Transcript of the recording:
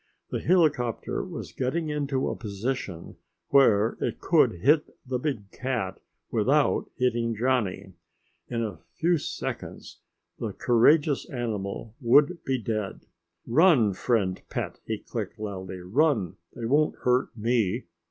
The helicopter was getting into a position where it could hit the big cat without hitting Johnny. In a few seconds the courageous animal would be dead. "Run, friend pet!" he clicked loudly. "Run! They won't hurt me.